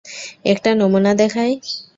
একটা নমুনা দেখাই?